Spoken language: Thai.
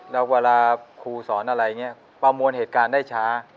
แล้วเวลาครูสอนอะไรอย่างนี้ประมวลเหตุการณ์ได้ช้า